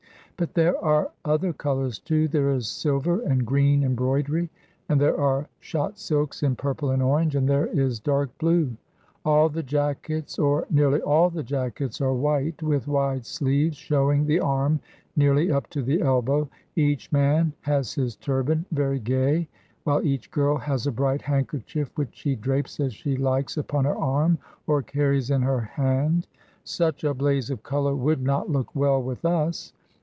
But there are other colours, too: there is silver and green embroidery, and there are shot silks in purple and orange, and there is dark blue. All the jackets, or nearly all the jackets, are white with wide sleeves, showing the arm nearly up to the elbow. Each man has his turban very gay, while each girl has a bright handkerchief which she drapes as she likes upon her arm, or carries in her hand. Such a blaze of colour would not look well with us.